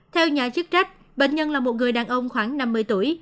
theo nhà chức trách bệnh nhân là một người đàn ông khoảng năm mươi tuổi